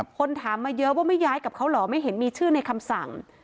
คนถามมาเยอะว่าไม่ย้ายกับเขาเหรอไม่เห็นมีชื่อในคำสั่ง